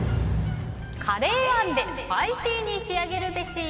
カレーあんでスパイシーに仕上げるべし。